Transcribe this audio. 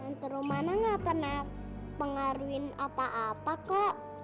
tante rumana gak pernah pengaruhin apa apa kok